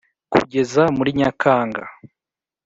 kugeza muri nyakanga .